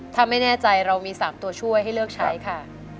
ถ้าไม่แน่ใจเรามี๓ตัวช่วยให้เลือกใช้ค่ะ